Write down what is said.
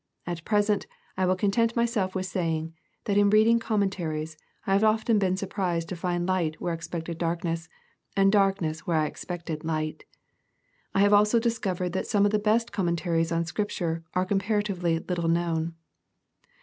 At present I will content myself with saying, that in reading Commenta ries I have often been surprised to find light where I ex pected darkness, and darkness where I expected light. I have also discovered that some of the best commenta ries on Scripture are comparatively little known.